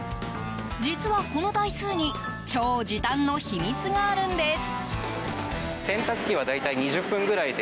実は、この台数に超時短の秘密があるんです。